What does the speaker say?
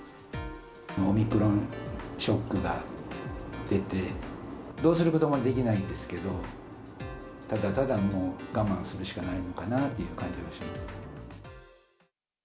オミクロンショックが出て、どうすることもできないんですけど、ただただ、もう我慢するしかないのかなという感じがします。